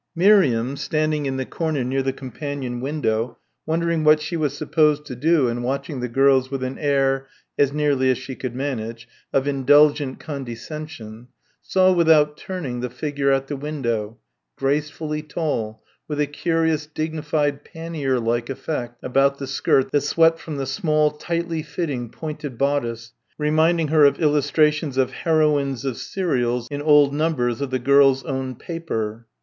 Miriam, standing in the corner near the companion window, wondering what she was supposed to do and watching the girls with an air as nearly as she could manage of indulgent condescension saw, without turning, the figure at the window, gracefully tall, with a curious dignified pannier like effect about the skirt that swept from the small tightly fitting pointed bodice, reminding her of illustrations of heroines of serials in old numbers of the "Girls' Own Paper."